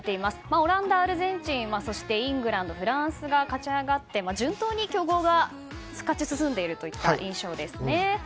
オランダ、アルゼンチンイングランド、フランスが勝ち上がって順当に強豪が勝ち進んでいるといった印象です。